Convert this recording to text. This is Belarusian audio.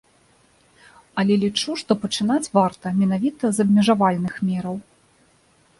Але лічу, што пачынаць варта менавіта з абмежавальных мераў.